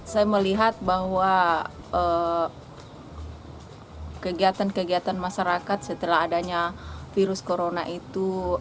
saya melihat bahwa kegiatan kegiatan masyarakat setelah adanya virus corona itu